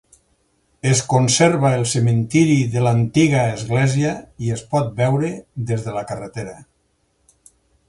Es conserva el cementiri de l'antiga església i es pot veure des de la carretera.